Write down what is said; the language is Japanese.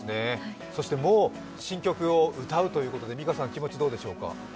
そして、もう新居くをょ歌うということで、ミカさんどうでしょうか？